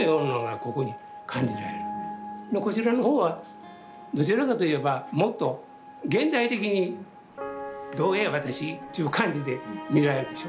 こちらの方はどちらかといえばもっと現代的に「どうや私」ちゅう感じで見られるでしょ。